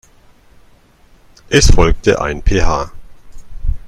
Es folgte ein Ph.